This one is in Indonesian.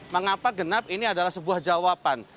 mengapa genap ini adalah sebuah jawaban